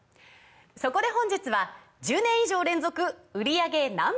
そこで本日は１０年以上連続売り上げＮｏ．１